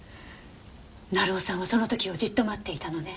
成尾さんはその時をじっと待っていたのね。